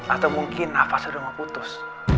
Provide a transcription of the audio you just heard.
atau mungkin nafas sudah mau putus